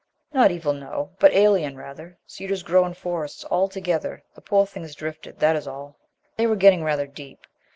"Not evil, no; but alien, rather. Cedars grow in forests all together. The poor thing has drifted, that is all." They were getting rather deep.